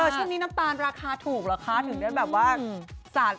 ช่วงนี้น้ำตาลราคาถูกเหรอคะถึงได้แบบว่า